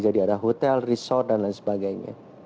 jadi ada hotel resort dan lain sebagainya